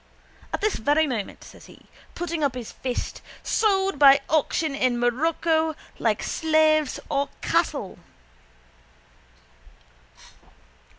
At this very moment, says he, putting up his fist, sold by auction in Morocco like slaves or cattle.